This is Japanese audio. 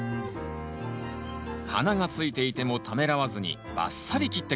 花がついていてもためらわずにバッサリ切って下さい。